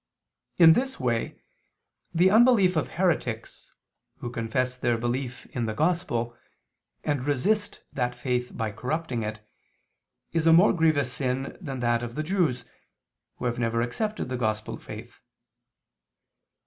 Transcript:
In this way the unbelief of heretics, who confess their belief in the Gospel, and resist that faith by corrupting it, is a more grievous sin than that of the Jews, who have never accepted the Gospel faith.